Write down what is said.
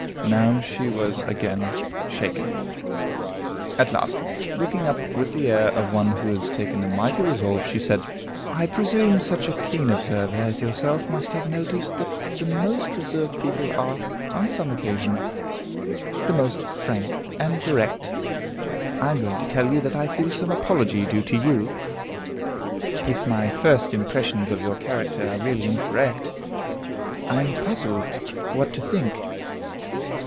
Now she was again shaken. At last, looking up with the air of one who has taken a mighty resolve, she said, "I presume such a keen observer as yourself must have noticed that the most reserved people are, on some occasions, the most frank and direct. I am going to tell you that I feel some apology due to you, if my first impressions of your character are really incorrect. I am puzzled what to think."